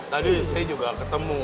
tadi saya juga ketemu